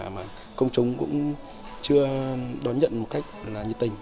mà công chúng cũng chưa đón nhận một cách là nhiệt tình